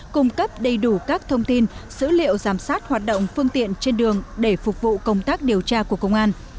cung cấp đầy đủ các thông tin dữ liệu giám sát hoạt động phương tiện trên đường để phục vụ công tác điều tra của công an